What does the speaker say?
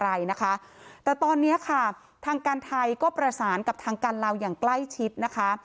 อะไรนะคะแต่ตอนนี้ค่ะทางการไทยก็ประสานกับทางการลาวอย่างใกล้ชิดนะคะ